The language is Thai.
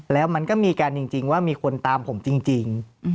แล้วมันก็มีการจริงว่ามีคนตามผมจริง